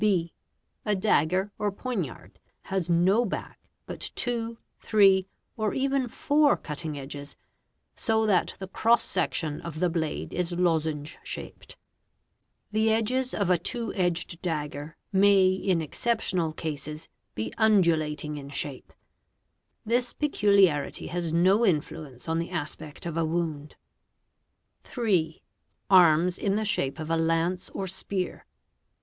(b) A dagger or poignard has no back but two, three, or even four cutting edges, so that the cross section of ' yx the blade is lozenge shaped (Fig. 60). The edges of a two edged dagger may in. excep Fig. 60. , tional cases be undulating in shape (Fig. 67). This peculiarity has no influence on the aspect of a wound. iol q 3. Arms in the shape of a lance or spear.